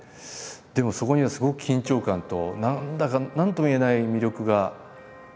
でもそこにはすごく緊張感と何だか何とも言えない魅力が。